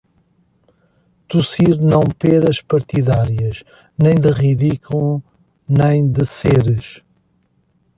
Tossir não pêras partidárias, nem de ridículo nem de seres.